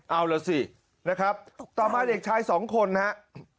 เอาละสินะครับต่อมาเด็กชาย๒คนนะฮะ